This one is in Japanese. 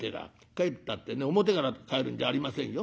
帰ったってね表から帰るんじゃありませんよ。